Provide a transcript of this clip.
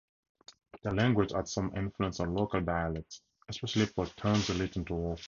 Their language had some influence on local dialects, especially for terms relating to warfare.